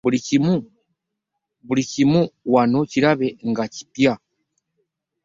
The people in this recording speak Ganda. Buli kimu wano kirabe nga kipya.